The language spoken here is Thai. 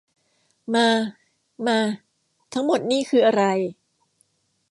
มา มา ทั้งหมดนี่คืออะไร